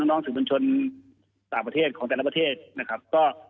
น้องสื่อบัญชนต่างประเทศของแต่ละประเทศนะครับก็